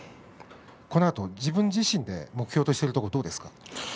このあと自分自身目標としてはどうですか。